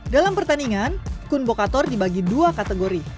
dalam pertandingan kun bokator dibagi dua kategori